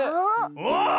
お！